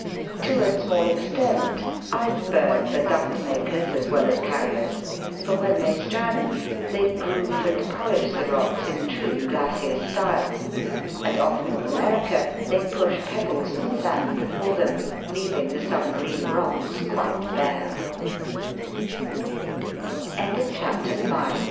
To a small extent, icebergs are dust makers as well as carriers, for when they strand, they groove and polish the rocks in true glacier style, and, off North America, they push pebbles and sand before them, leaving the subm